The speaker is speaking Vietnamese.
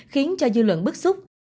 khiến cho dư luận bức xúc